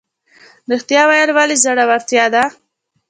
ریښتیا ویل ولې زړورتیا ده؟